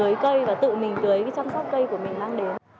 tự mình tưới cây và tự mình tưới chăm sóc cây của mình mang đến